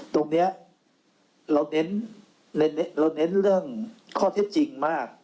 ตรงนี้เราเน้นเรื่องข้อที่จริงมาก